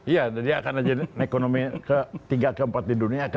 iya dia akan menjadi ekonomi ke tiga ke empat di dunia kan